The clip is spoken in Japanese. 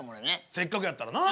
せっかくやったらな。